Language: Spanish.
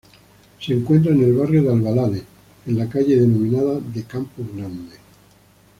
Se encuentra en el barrio de Alvalade, en la calle denominada de Campo Grande.